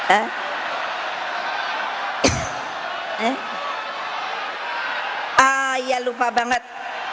ah ya lupa banget